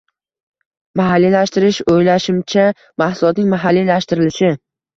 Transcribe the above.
Mahalliylashtirish, oʻylashimcha, mahsulotning mahalliylashtirilishi.